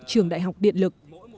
trường đại học điện lực